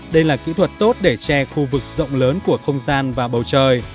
đây là kỹ thuật tốt để che khu vực rộng lớn của không gian và bầu trời